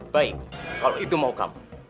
baik kalau itu mau kamu